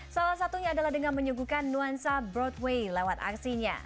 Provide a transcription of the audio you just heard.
salah satunya adalah dengan menyuguhkan nuansa broadway lewat aksinya